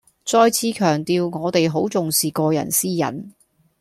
再次強調我哋好重視個人私隱